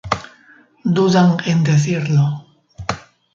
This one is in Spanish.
dudan en decirlo